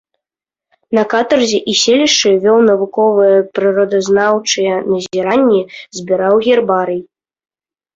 На катарзе і селішчы вёў навуковыя прыродазнаўчыя назіранні, збіраў гербарый.